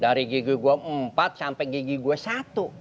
dari gigi gua empat sampe gigi gua satu